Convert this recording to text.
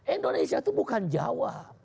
indonesia itu bukan jawa